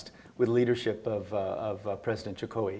dengan pemimpin presiden joko widodo